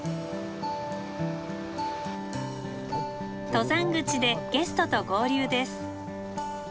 登山口でゲストと合流です。